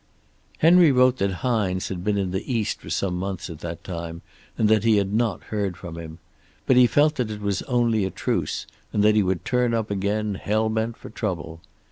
"Henry wrote that Hines had been in the East for some months at that time, and that he had not heard from him. But he felt that it was only a truce, and that he would turn up again, hell bent for trouble.